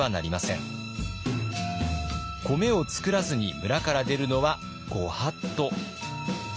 米を作らずに村から出るのは御法度。